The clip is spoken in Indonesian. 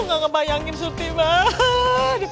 gak ada yang koordinasi